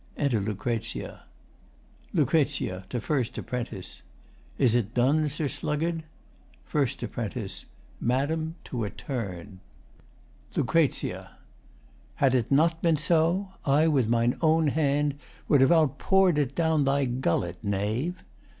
[Enter LUC.] LUC. [To FIRST APP.] Is 't done, Sir Sluggard? FIRST APP. Madam, to a turn. LUC. Had it not been so, I with mine own hand Would have outpour'd it down thy gullet, knave.